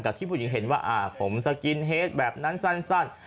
กับที่ผู้หญิงเห็นว่าอ่าผมสกินเหตุแบบนั้นสั้น